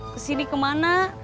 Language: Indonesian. ke sini kemana